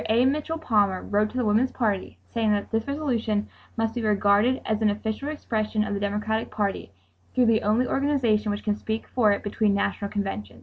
A. Mitchell Palmer wrote to the Woman's Party saying that this resolution must be regarded as "an official expression of the Democratic Party through the only organization which can speak for it between national conventions."